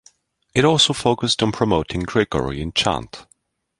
It also focused on promoting Gregorian Chant.